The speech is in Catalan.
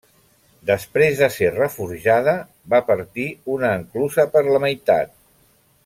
Després de ser reforjada va partir una enclusa per la meitat.